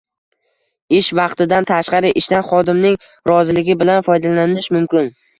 Ish vaqtidan tashqari ishdan xodimning roziligi bilan foydalanish mumkin